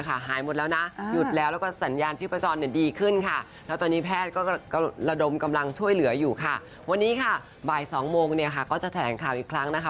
กลับไป๒โมงเนี่ยค่ะก็จะแถลงข่าวอีกครั้งนะคะ